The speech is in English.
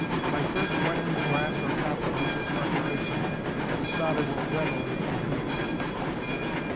By first wetting the brass or copper with this preparation, the solder will readily adhere.